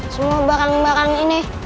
semua barang barang ini